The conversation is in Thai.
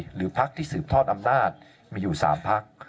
หรือพักที่สืบทอดอำนาจมีอยู่๓พัก